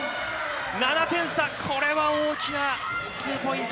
７点差、これは大きなツーポイント。